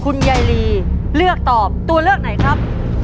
คุณยายลีเลือกตอบตัวเลือกไหนครับ